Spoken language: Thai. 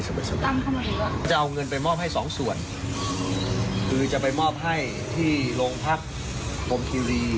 สบายสบายจะเอาเงินไปมอบให้สองส่วนคือจะไปมอบให้ที่โรงพรรดิโครมคีวีน